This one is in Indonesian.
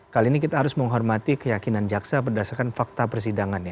kali ini kita harus menghormati keyakinan jaksa berdasarkan fakta persidangan ya